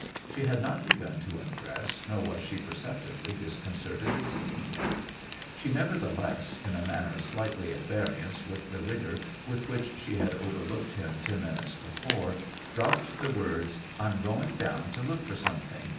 She had not be gun to undress, nor was she perceptibly disconcerted at seeing him. She neverthe less, in a manner slightly at variance with the rigor with which she had overlooked him ten minutes before, dropped the words, "I'm going down to look for something.